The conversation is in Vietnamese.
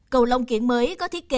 cầu long kiển mới có thiết kế